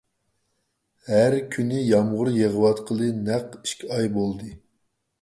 ھەر كۈنى يامغۇر يېغىۋاتقىلى نەق ئىككى ئاي بولدى.